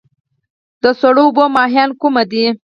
د سړو اوبو ماهیان کوم دي؟